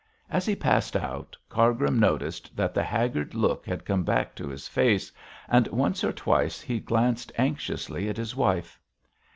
As he passed out, Cargrim noticed that the haggard look had come back to his face, and once or twice he glanced anxiously at his wife.